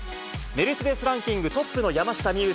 メルセデス・ランキングトップの山下美夢